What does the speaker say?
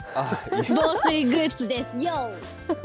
防水グッズですよー。